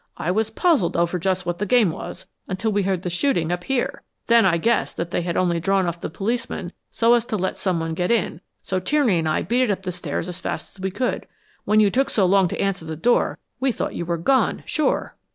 I was puzzled over just what the game was until we heard the shooting up here. Then I guessed that they had only drawn off the policemen so as to let someone get in, so Tierney and I beat it up the stairs as fast as we could. When you took so long to answer the door, we thought you were gone, sure."